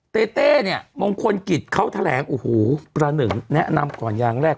เต้เต้เนี่ยมงคลกิจเขาแถลงโอ้โหประหนึ่งแนะนำก่อนอย่างแรก